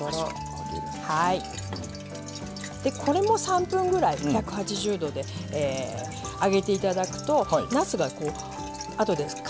でこれも３分ぐらい１８０度で揚げていただくとなすが後でかみやすい。